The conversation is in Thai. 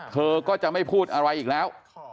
เธอก็จะไม่พูดอะไรอีกแล้ว